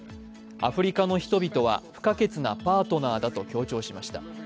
アフリカの人々は不可欠なパートナーだと強調しました。